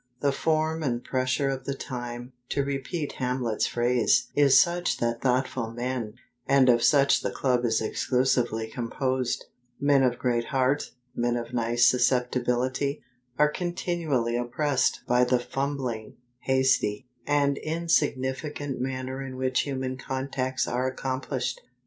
The form and pressure of the time (to repeat Hamlet's phrase) is such that thoughtful men and of such the Club is exclusively composed: men of great heart, men of nice susceptibility are continually oppressed by the fumbling, hasty, and insignificant manner in which human contacts are accomplished.